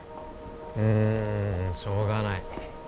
うーんしょうがない